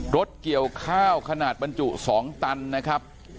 เกี่ยวข้าวขนาดบรรจุ๒ตันนะครับ